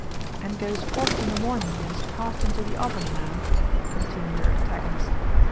"And goes forth in the morning, and is cast into the oven, ma'am," continued her antagonist.